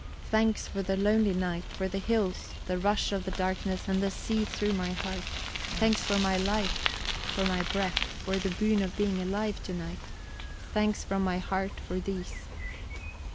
"Thanks for the lonely night, for the hills, the rush of the darkness and the sea through my heart! Thanks for my life, for my breath, for the boon of being alive to night; thanks from my heart for these!